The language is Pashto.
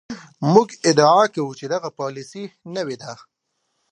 موږ ادعا کوو چې دغه پالیسي نوې ده.